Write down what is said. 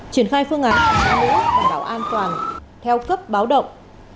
triển khai phương án đảm bảo an toàn theo cấp báo động